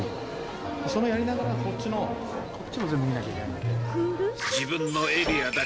それやりながらこっちの、こっちも全部見なきゃいけないわけ。